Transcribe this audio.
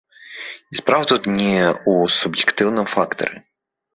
І справа тут не ў суб'ектыўным фактары.